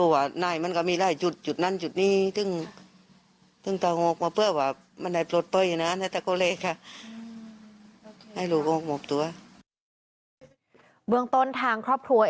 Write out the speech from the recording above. ให้ลูกโอ้งอบตัว